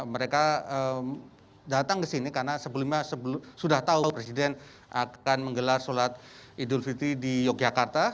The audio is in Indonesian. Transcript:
mereka datang ke sini karena sebelumnya sudah tahu presiden akan menggelar sholat idul fitri di yogyakarta